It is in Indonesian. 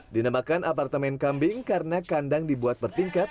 dinamakan apartemen kambing karena kandang dibuat bertingkat